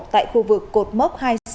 tại khu vực cột mốc hai trăm sáu mươi